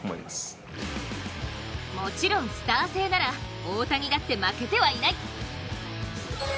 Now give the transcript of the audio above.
もちろんスター性なら大谷だって負けてはいない。